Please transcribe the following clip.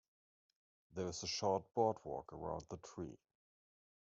There is a short boardwalk around the tree.